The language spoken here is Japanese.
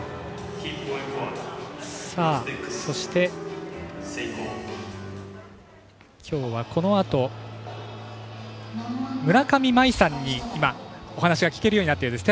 そして、きょうはこのあと村上茉愛さんに今、お話が聞けるようになったようです。